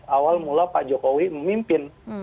awal mula pak jokowi memimpin